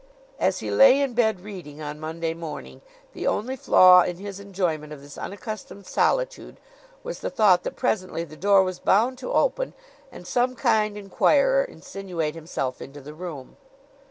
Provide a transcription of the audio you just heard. As he lay in bed reading on Monday morning, the only flaw in his enjoyment of this unaccustomed solitude was the thought that presently the door was bound to open and some kind inquirer insinuate himself into the room.